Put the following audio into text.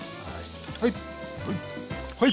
はい！